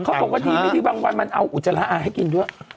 เขาบอกว่าดีไม่ดีบางวันมันเอาอุจจาระอาให้กินด้วย